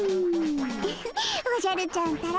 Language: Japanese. ウフッおじゃるちゃんったら。